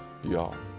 いや。